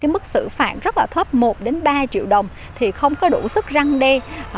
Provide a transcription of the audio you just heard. mức xử phạm rất là thấp một ba triệu đồng thì không có đủ sức răn đe